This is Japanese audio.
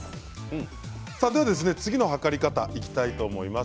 次のはかり方にいきたいと思います。